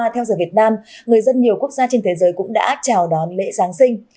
theo giờ việt nam người dân nhiều quốc gia trên thế giới cũng đã chào đón lễ giáng sinh